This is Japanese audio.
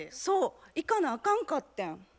そう行かなあかんかってん。